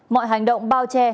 mọi hành động bao che